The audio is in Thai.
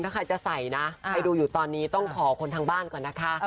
ถ้าใครจะใส่นะใครดูอยู่ตอนนี้ต้องขอคนทางบ้านก่อนนะคะ